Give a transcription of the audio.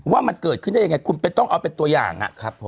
ว่ามันเกิดขึ้นได้ยังไงคุณต้องเอาเป็นตัวอย่าง